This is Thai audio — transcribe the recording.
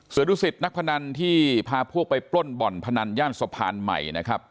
ส่วนดุสิตนักพนันที่พาพวกไปปล้นบ่อนพนันย่านสะพานใหม่นะครับ